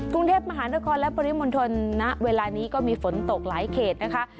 กรุงเทพมหานครและปริมณฑลณเวลานี้ก็มีฝนตกหลายเขตนะคะ